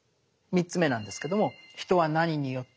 ３つ目なんですけども「人は何によって生きるのか？」